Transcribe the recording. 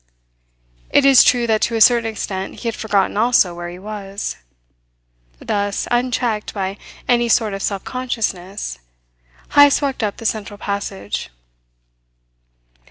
It is true that to a certain extent he had forgotten also where he was. Thus, unchecked by any sort of self consciousness, Heyst walked up the central passage.